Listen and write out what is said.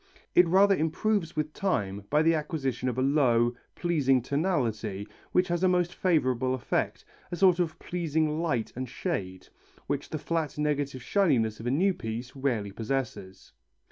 It rather improves with time by the acquisition of a low, pleasing tonality which has a most favourable effect, a sort of pleasing light and shade, which the flat negative shininess of a new piece rarely possesses.